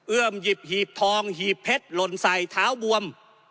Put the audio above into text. เอื้อมหยิบหีบทองหีบเพชรหล่นใส่ท้าวบวม